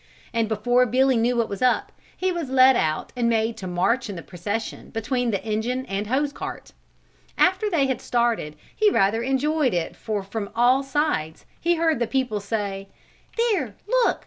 And before Billy knew what was up, he was led out and made to march in the procession between the engine and hose cart. After they had started he rather enjoyed it for from all sides he heard the people say: "There, look!